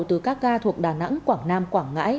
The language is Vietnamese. từ các ga thuộc đà nẵng quảng nam quảng ngãi